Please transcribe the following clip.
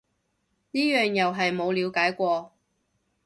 呢樣又係冇了解過